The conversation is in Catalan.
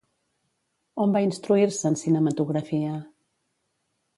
On va instruir-se en cinematografia?